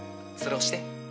それ押して。